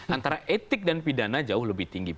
antara etik dan pidana jauh lebih tinggi